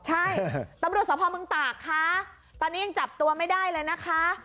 ใช่ตำรวจสภเมืองตากคะตอนนี้ยังจับตัวไม่ได้เลยนะคะ